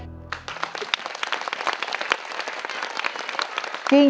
ผิดครับ